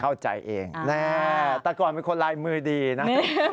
เข้าใจเองแน่แต่ก่อนเป็นคนลายมือดีนะ